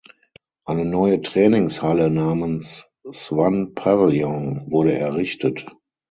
Eine neue Trainingshalle namens "Swann Pavilion" wurde errichtet.